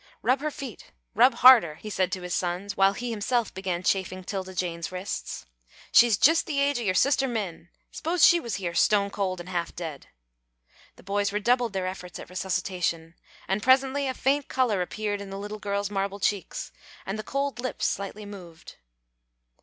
"Rub her feet rub harder," he said to his sons, while he himself began chafing 'Tilda Jane's wrists. "She's jist the age o' your sister Min. S'pose she was here, stone cold an' half dead!" The boys redoubled their efforts at resuscitation, and presently a faint colour appeared in the little girl's marble cheeks, and the cold lips slightly moved.